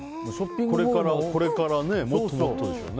これからもっともっとでしょうね。